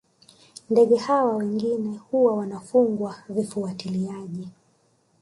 Ndege hawa wengine huwa wanafungwa vifuatiliaji